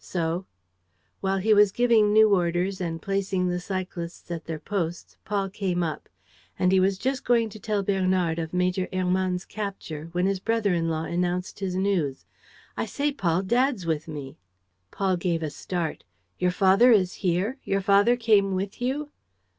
So ..." While he was giving new orders and placing the cyclists at their posts, Paul came up; and he was just going to tell Bernard of Major Hermann's capture, when his brother in law announced his news: "I say, Paul, dad's with me!" Paul gave a start: "Your father is here? Your father came with you?"